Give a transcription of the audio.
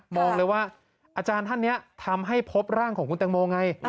องเลยว่าอาจารย์ท่านนี้ทำให้พบร่างของคุณแตงโมไง